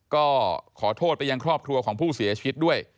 ก็ขอโทษไปยังครอบครัวของผู้เสียชีวิตด้วย